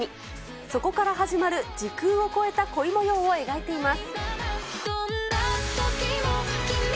そこから始まる時空を越えた恋もようを描いています。